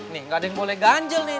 nih gak ada yang boleh ganjel nih